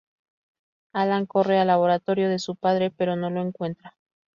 Alan corre al laboratorio de su padre pero no lo encuentra.